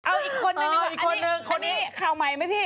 เอาอีกคนนึงหนึ่งอันนี้ข่าวใหม่ไหมพี่